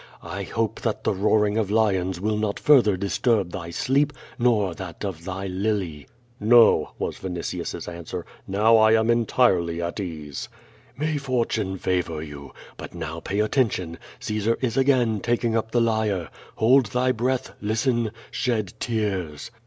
I hope that the roaring of lions will not further disturb thy sleep nor that of thy lily." "No," was Vinitius's answer. "Now I am entirely at ease." "May fortune favor you. But now pay attention. Caesar is again taking up the lyre. ' Hold thy breath, listen, shed tears."